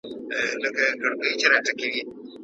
تر دغي کښۍ لاندي د کوچني کتاب پاته و.